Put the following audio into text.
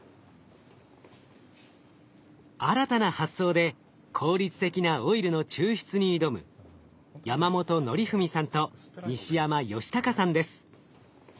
新たな発想で効率的なオイルの抽出に挑む山本哲史さんと西山佳孝さんです。